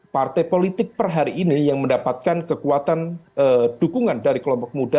partai politik per hari ini yang mendapatkan kekuatan dukungan dari kelompok muda